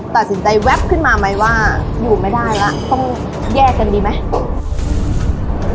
ตัดสินใจแวบขึ้นมาไหมว่าอยู่ไม่ได้แล้วต้องแยกกันดีไหม